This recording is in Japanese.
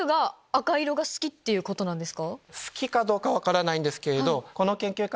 好きかどうか分からないんですけれどこの研究から。